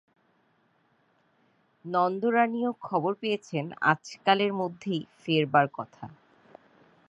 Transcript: নন্দরানীও খবর পেয়েছেন আজকালের মধ্যেই ফেরবার কথা।